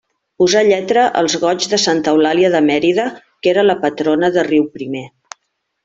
Posà lletra als goigs de Santa Eulàlia de Mèrida que era la patrona de Riuprimer.